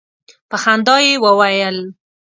په خندا یې وویل.